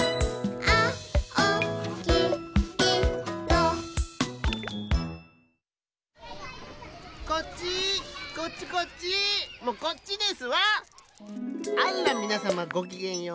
あっらみなさまごきげんよう。